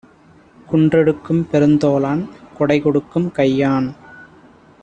குன்றெடுக்கும் பெருந்தோளான் கொடைகொடுக்கும் கையான்!